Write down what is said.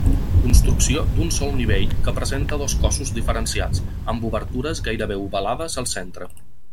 Construcció d'un sol nivell que presenta dos cossos diferenciats, amb obertures gairebé ovalades al centre.